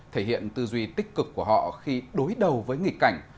thể hiện tư duy tích cực của họ khi đối đầu với nghịch cảnh